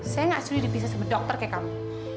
saya gak suri diperiksa sama dokter kayak kamu